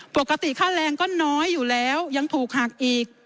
ค่าแรงก็น้อยอยู่แล้วยังถูกหักอีก